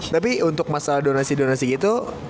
tapi untuk masalah donasi donasi gitu